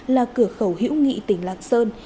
là cửa khẩu hữu nghị tỉnh lạc sơn